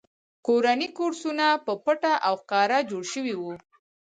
کورني کورسونه په پټه او ښکاره جوړ شوي وو